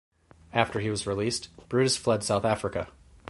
After he was released, Brutus fled South Africa.